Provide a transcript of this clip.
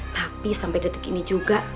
tapi sampai detik ini juga